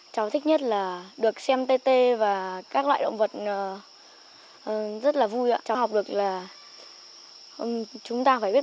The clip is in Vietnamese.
cháu thích nhất là được xem tê tê và các loại động vật rất là vui ạ cháu học được là chúng ta phải biết